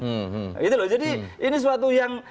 gitu loh jadi ini suatu yang